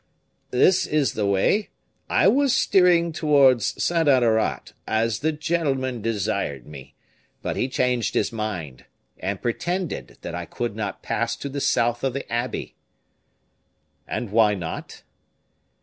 "This is the way. I was steering towards St. Honnorat as the gentleman desired me; but he changed his mind, and pretended that I could not pass to the south of the abbey." "And why not?"